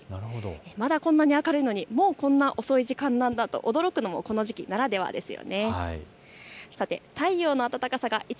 まだこんなに明るいのにもうこんなに遅い時間だと驚くのはこの時期ならではですね。